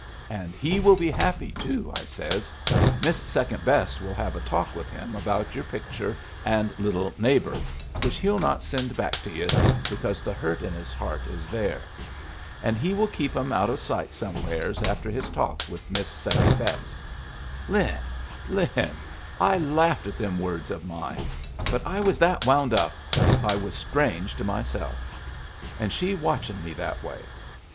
'And he will be happy, too,' I says. 'Miss Second Best will have a talk with him about your picture and little "Neighbor," which he'll not send back to yus, because the hurt in his heart is there. And he will keep 'em out of sight somewheres after his talk with Miss Second Best.' Lin, Lin, I laughed at them words of mine, but I was that wound up I was strange to myself. And she watchin' me that way!